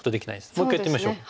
もう一回やってみましょう。